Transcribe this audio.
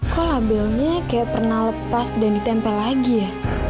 kok labelnya kayak pernah lepas dan ditempel lagi ya